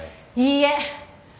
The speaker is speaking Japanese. いいえ。